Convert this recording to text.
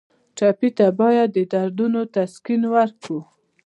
ټپي ته باید د دردونو تسکین ورکړو.